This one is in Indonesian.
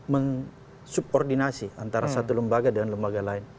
mensubordinasi antara satu lembaga dan lembaga lain